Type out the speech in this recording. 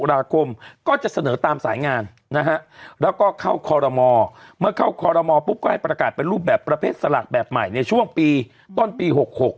แล้วก็เข้าคอลโรมอร์เมื่อเข้าคอลโรมอร์ปุ๊บก็ให้ประกาศเป็นรูปแบบประเภทสลากแบบใหม่ในช่วงปีต้นปี๖๖